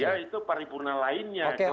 nah itu paripurna lainnya kelasnya